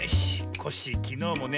コッシーきのうもね